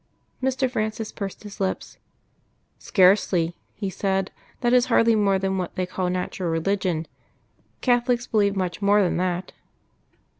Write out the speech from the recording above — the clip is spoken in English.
Mr. Francis pursed his lips. "Scarcely," he said; "that is hardly more than what they call Natural Religion. Catholics believe much more than that."